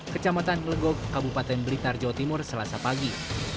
kecamatan klegok kabupaten blitar jawa timur selasa pagi